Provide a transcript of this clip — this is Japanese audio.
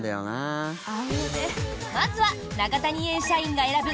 まずは永谷園社員が選ぶ